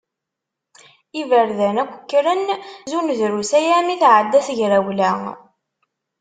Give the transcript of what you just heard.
Iberdan akk kkren, zun drus aya mi tɛedda tegrewla.